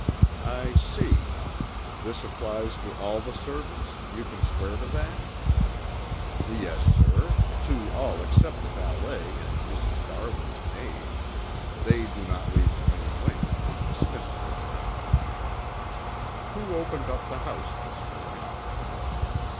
"I see. This applies to all the servants, you can swear to that?" "Yes, sir, to all except the valet and Mrs. Darwin's maid. They do not leave the main wing until dismissed for the night." "Who opened up the house this morning?"